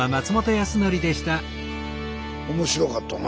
面白かったな。